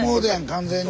完全に。